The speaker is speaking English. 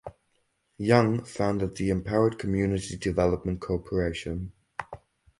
Young founded the Empowered Community Development Corporation.